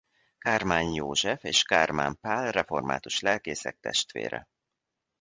Kármán József és Kármán Pál református lelkészek testvére.